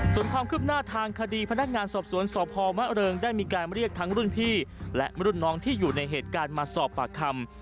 ส่วนความคืบหน้าทางคดีพนักงานสอบสวนสพมะเริงได้มีการเรียกทั้งรุ่นพี่และรุ่นน้องที่อยู่ในเหตุการณ์มาสอบปากคำ